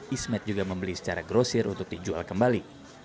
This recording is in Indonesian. ismet juga membeli secara grosir untuk dijual kembali